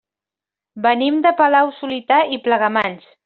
Venim de Palau-solità i Plegamans.